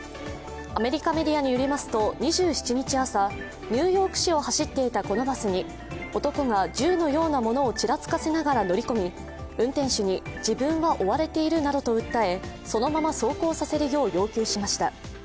アメリカメディアによりますと２７日朝、ニューヨーク市を走っていたこのバスに、男が銃のようなものをちらつかせながら乗り込み、運転手に自分は追われているなどと訴え、そのまま走行させるよう要求しました。